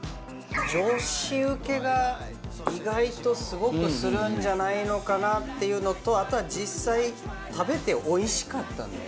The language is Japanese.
女子ウケが意外とすごくするんじゃないのかなっていうのとあとは実際食べておいしかったんで。